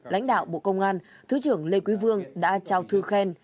lãnh đạo bộ công an thứ trưởng lê quý vương đã trao thư khen